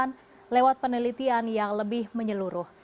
dan mencari penelitian yang lebih menyeluruh